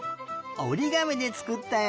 おりがみでつくったよ。